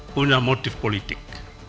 punya motif politik